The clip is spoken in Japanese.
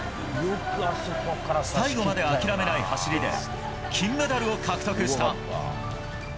最後まで諦めない走りで金メダルを獲得した。